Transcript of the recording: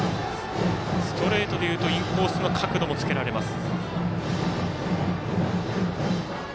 ストレートでいうとインコースの角度もつけられます。